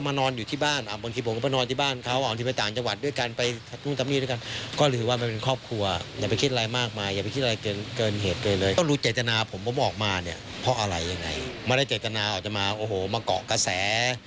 ไม่ได้จัดการาออกมาโอ้โหมาเกาะกระแส